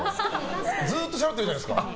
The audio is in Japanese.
ずっと話してるじゃないですか。